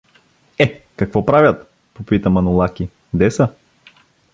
— Е, какво правят! — попита Манолаки. — Де са?